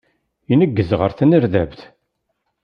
Ineggez ɣer tnerdabt.